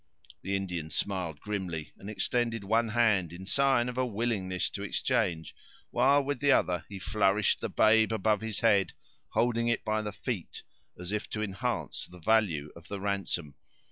The Indian smiled grimly, and extended one hand, in sign of a willingness to exchange, while, with the other, he flourished the babe over his head, holding it by the feet as if to enhance the value of the ransom.